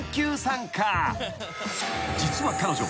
［実は彼女。